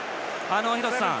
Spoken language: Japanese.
廣瀬さん